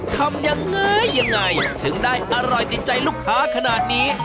ทำยังไงยังไงถึงได้อร่อยติดใจลูกค้าขนาดนี้